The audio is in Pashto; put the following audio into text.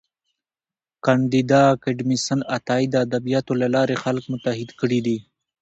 کانديد اکاډميسن عطايي د ادبياتو له لارې خلک متحد کړي دي.